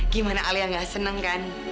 gimana alia nggak seneng kan